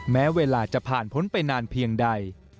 แม้เวลาจะผ่านพ้นไปนานเพียงใด